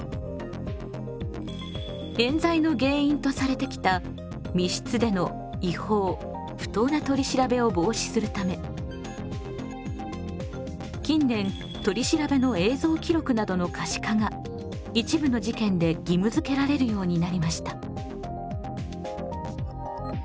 冤罪の原因とされてきた密室での違法・不当な取り調べを防止するため近年取り調べの映像記録などの可視化が一部の事件で義務づけられるようになりました。